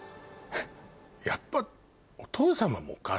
やっぱ。